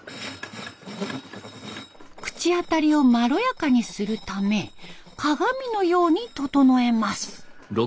口当たりをまろやかにするため鏡のように整えます。